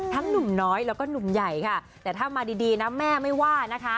หนุ่มน้อยแล้วก็หนุ่มใหญ่ค่ะแต่ถ้ามาดีดีนะแม่ไม่ว่านะคะ